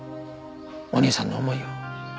お兄さんの思いを。